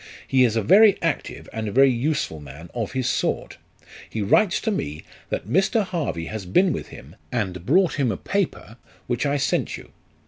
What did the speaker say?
He is a very active and very useful man of his sort. He writes to me, that Mr. Harvey has been with him, and brought him a paper, which I sent you.